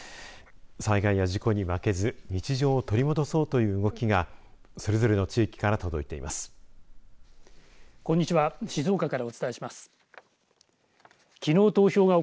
災害や事故に負けず日常を取り戻そうという動きがそれぞれの地域から届いています。